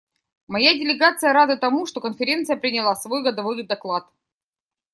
Моя делегация рада тому, что Конференция приняла свой годовой доклад.